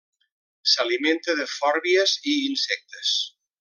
S'alimenta de fòrbies i insectes.